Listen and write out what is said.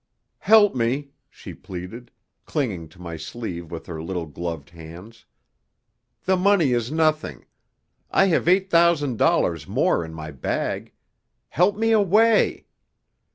"Help me!" she pleaded, clinging to my sleeve with her little gloved hands. "The money is nothing. I have eight thousand dollars more in my bag. Help me away!"